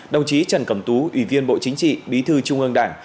đồng chí trần cẩm tú ủy viên bộ chính trị bí thư trung ương đảng